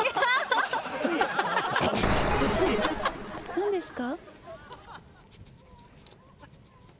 何ですか？